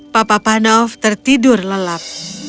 papa panov tertidur lelap